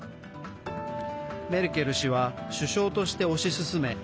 メルケル氏は首相として推し進め